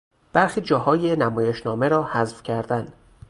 برخی جاهای نمایشنامه را حذف کردن